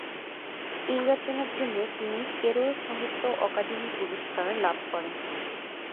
এই রচনার জন্য তিনি কেরল সাহিত্য অকাদেমি পুরস্কার লাভ করেন।